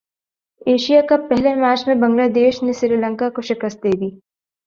Asia cup پہلے match میں Bangladesh نے سری لنکا کو شکست دیدی